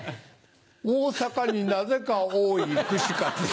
大阪になぜか多い串カツ屋。